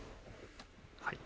はい。